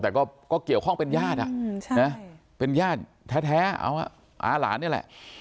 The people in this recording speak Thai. แต่ก็เกี่ยวข้องเป็นญาติเป็นญาติแท้เอาอาหลานนี่แหละ